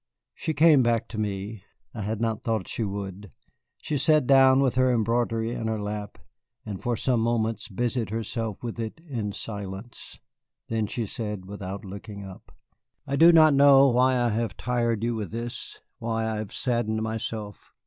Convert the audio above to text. She came back to me I had not thought she would. She sat down with her embroidery in her lap, and for some moments busied herself with it in silence. Then she said, without looking up: "I do not know why I have tired you with this, why I have saddened myself.